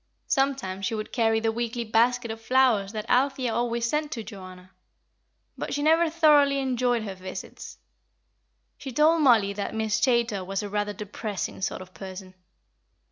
Sometimes she would carry the weekly basket of flowers that Althea always sent to Joanna. But she never thoroughly enjoyed her visits. She told Mollie that Miss Chaytor was a rather depressing sort of person.